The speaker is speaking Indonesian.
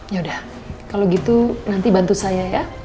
ya udah kalau gitu nanti bantu saya ya